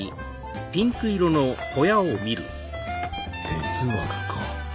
哲学か。